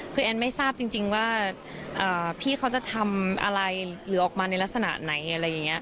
คือแอนไม่ทราบจริงว่าพี่เขาจะทำอะไรหรือออกมาในลักษณะไหนอะไรอย่างนี้